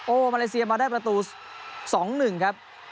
มาเลเซียมาได้ประตู๒๑ครับ